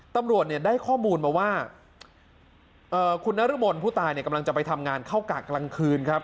ตำรวจได้ข้อมูลมาว่าคุณนรมนผู้ตายกำลังจะไปทำงานเข้ากากกลางคืนครับ